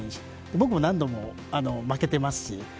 僕も何度も負けていますし。